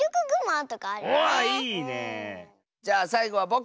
じゃあさいごはぼく！